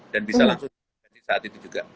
dan bisa langsung saat itu juga